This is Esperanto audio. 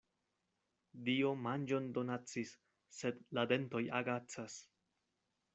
Dio manĝon donacis, sed la dentoj agacas.